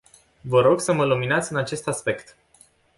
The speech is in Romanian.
Vă rog să mă luminați în acest aspect.